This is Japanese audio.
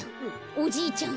おじいちゃん